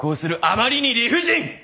あまりに理不尽！